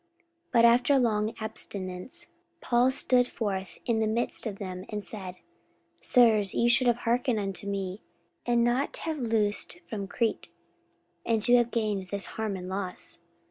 44:027:021 But after long abstinence Paul stood forth in the midst of them, and said, Sirs, ye should have hearkened unto me, and not have loosed from Crete, and to have gained this harm and loss.